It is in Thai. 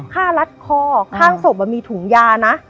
ฆ่ารัดคอข้างศพมีถุงยานะ